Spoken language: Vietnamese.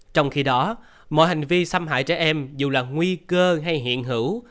trong khi đó mọi hành vi xâm hại trẻ em dù là nguy cơ hay hiện hữu